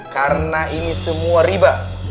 karena ini semua riba